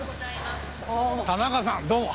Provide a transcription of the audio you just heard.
田中さんどうも。